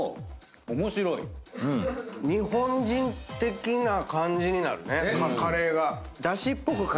日本人的な感じになるねカレーが。